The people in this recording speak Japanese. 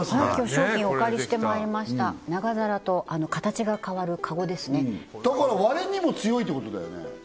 商品をお借りしてまいりました長皿と形が変わるＫＡＧＯですねだから割れにも強いってことだよね